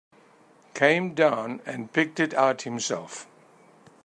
Came down and picked it out himself.